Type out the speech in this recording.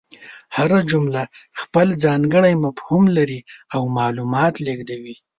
هره جمله خپل ځانګړی مفهوم لري او معلومات لېږدوي.